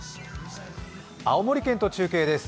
青森県と中継です。